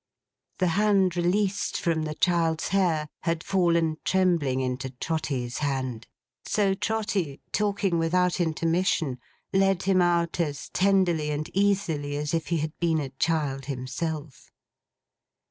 The hand released from the child's hair, had fallen, trembling, into Trotty's hand. So Trotty, talking without intermission, led him out as tenderly and easily as if he had been a child himself.